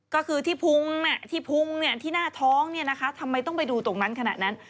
ก็คือที่พุงที่หน้าท้องเนี่ยนะคะทำไมต้องไปดูตรงนั้นขนาดนั้น